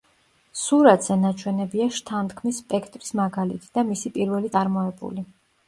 სურათზე ნაჩვენებია შთანთქმის სპექტრის მაგალითი და მისი პირველი წარმოებული.